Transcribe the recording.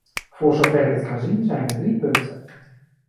Voor zover ik het kan zien, zijn er drie punten.